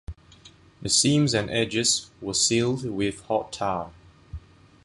The seams and edges were sealed with hot tar.